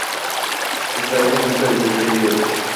Esta obra consta de siete libros.